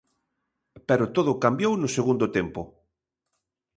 Pero todo cambiou no segundo tempo.